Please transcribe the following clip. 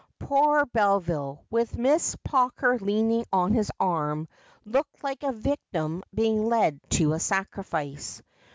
Poor Beville, with Miss Pawker leaning on his arm, looked like a victim being led to the sacrifice.